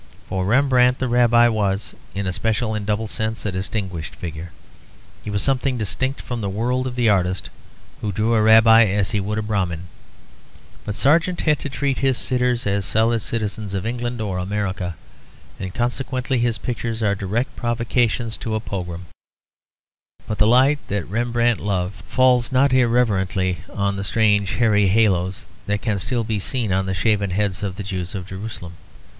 For Rembrandt the Rabbi was, in a special and double sense, a distinguished figure. He was something distinct from the world of the artist, who drew a Rabbi as he would a Brahmin. But Sargent had to treat his sitters as solid citizens of England or America; and consequently his pictures are direct provocations to a pogrom. But the light that Rembrandt loved falls not irreverently on the strange hairy haloes that can still be seen on the shaven heads of the Jews of Jerusalem.